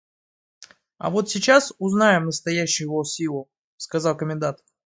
– А вот сейчас узнаем настоящую его силу, – сказал комендант.